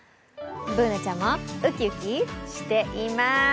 Ｂｏｏｎａちゃんもウキウキしています。